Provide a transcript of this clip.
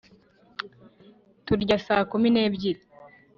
turya saa kumi n'ebyiri